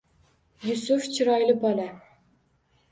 Yusuf chiroyli bola